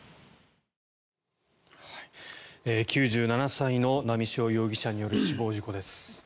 ９７歳の波汐容疑者による死亡事故です。